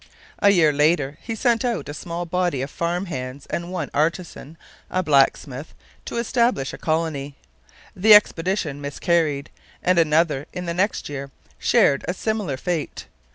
A year later he sent out a small body of farm hands and one artisan, a blacksmith, to establish a colony. The expedition miscarried; and another in the next year shared a similar fate.